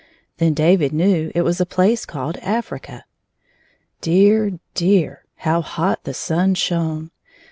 Then David knew it was a place called Afi*ica. Dear, dear; how hot the sun shone!